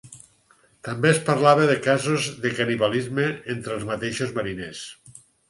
També es parlava de casos de canibalisme entre els mateixos mariners.